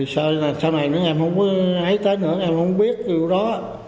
sau này em không có hít cái nữa em không biết điều đó